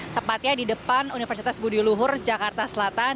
tepatnya di depan universitas budi luhur jakarta selatan